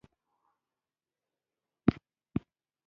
له خیال پرته هدف نهشي ټاکل کېدی.